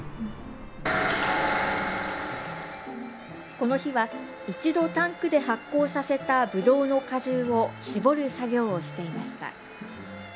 この日は一度タンクで発酵させたぶどうの果汁を搾る作業をしていました。